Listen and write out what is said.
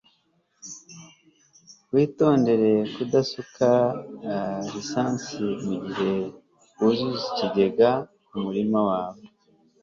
witondere kudasuka lisansi mugihe wuzuza ikigega kumurima wawe